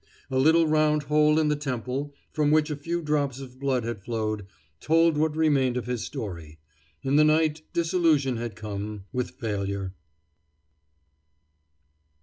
A little round hole in the temple, from which a few drops of blood had flowed, told what remained of his story. In the night disillusion had come, with failure.